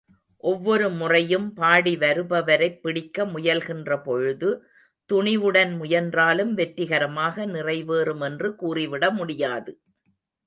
ஒவ்வொரு முறையும் பாடி வருபவரைப் பிடிக்க முயல்கின்றபொழுது, துணிவுடன் முயன்றாலும், வெற்றிகரமாக நிறைவேறும் என்று கூறிவிட முடியாது.